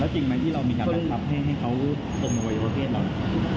แล้วจริงไหมที่เรามีการดังทรัพย์ให้เขาอมอวัยวะเพศหรือเปล่า